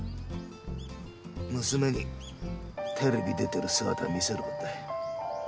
娘にテレビ出てる姿を見せる事だよ。